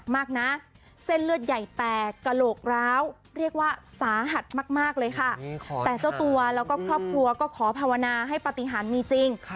มากเลยค่ะแต่เจ้าตัวแล้วก็ครอบครัวก็ขอภาวนาให้ปฏิหารมีจริง